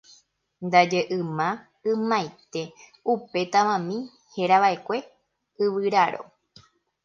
Ndaje yma ymaite upe Tavami herava'ekue Yvyraro.